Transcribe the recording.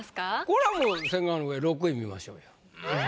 これはもう千賀の上６位見ましょうよ。